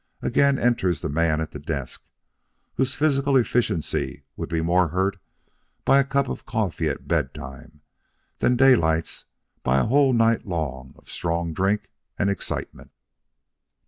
Again enters the man at the desk, whose physical efficiency would be more hurt by a cup of coffee at bedtime than could Daylight's by a whole night long of strong drink and excitement.